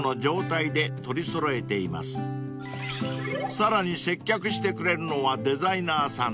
［さらに接客してくれるのはデザイナーさん］